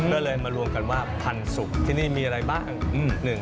ก็เลยมารวมกันว่าพันธุ์สุกที่นี่มีอะไรบ้าง